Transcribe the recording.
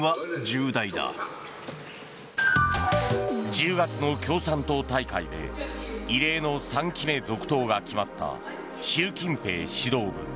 １０月の共産党大会で異例の３期目続投が決まった習近平指導部。